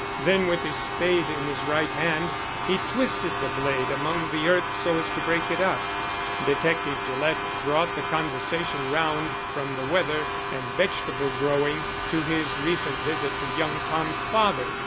Then with his spade in his right hand he twisted the blade among the earth so as to break it up. Detective Gillett brought the conversation round from the weather and vegetable growing to his recent visit to young Tom's father.